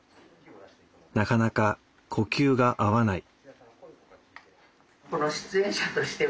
なかなか呼吸が合わない。